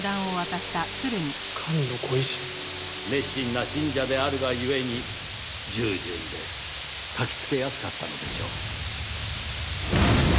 熱心な信者であるがゆえに従順でたきつけやすかったのでしょう。